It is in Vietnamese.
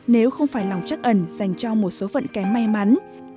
nếu không phải lòng chắc ẩn dành cho một số phận kém may mắn